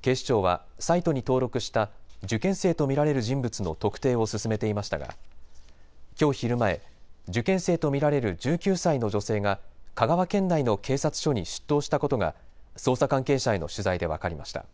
警視庁はサイトに登録した受験生と見られる人物の特定を進めていましたがきょう昼前、受験生と見られる１９歳の女性が香川県内の警察署に出頭したことが捜査関係者への取材で分かりました。